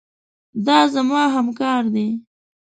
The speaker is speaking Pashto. دا زما همکار دی.